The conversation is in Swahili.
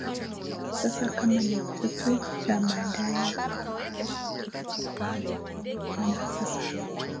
sasa kama ni kitu cha baadaye mpaka pale watu watakapoanza kuona kwamba sasa